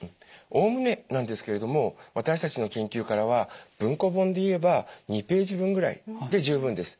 おおむねなんですけれども私たちの研究からは文庫本で言えば２ページ分ぐらいで十分です。